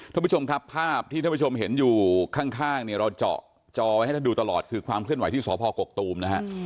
ท่านผู้ชมครับภาพที่ท่านผู้ชมเห็นอยู่ข้างเนี่ยเราเจาะจอไว้ให้ท่านดูตลอดคือความเคลื่อนไหวที่สพกกตูมนะฮะ